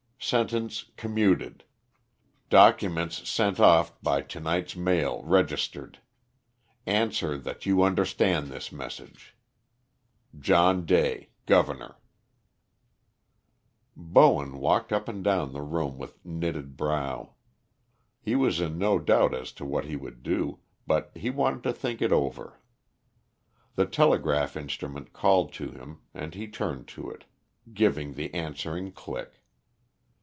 Sentence commuted. Documents sent off by to night's mail registered. Answer that you understand this message. "JOHN DAY, Governor." [Illustration: "DO NOT PROCEED FURTHER WITH EXECUTION"] Bowen walked up and down the room with knitted brow. He was in no doubt as to what he would do, but he wanted to think over it. The telegraph instrument called to him and he turned to it, giving the answering click.